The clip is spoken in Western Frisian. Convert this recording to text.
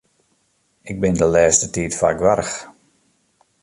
Ik bin de lêste tiid faak warch.